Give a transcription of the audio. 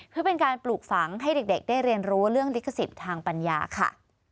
เพื่อเป็นการปลูกฝังให้เด็กได้เรียนรู้เรื่องลิขสิทธิ์ทางปัญญาค่ะ